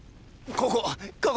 ここ！